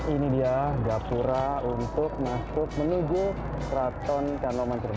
ini adalah kerajaan yang terdapat di keraton kanoman